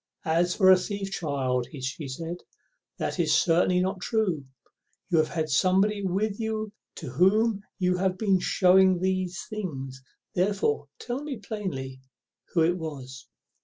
"As for a thief, child," says she, "that is certainly not true; you have had somebody with you to whom you have been shewing the things; therefore tell me plainly who it was."